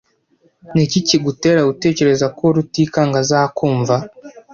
Niki kigutera gutekereza ko Rutikanga azakumva?